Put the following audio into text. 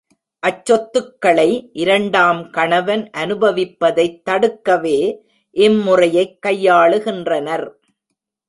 அச் சொத்துக்களை இரண்டாம் கணவன் அனுபவிப்பதைத் தடுக்கவே இம் முறையைக் கையாளுகின்றனர்.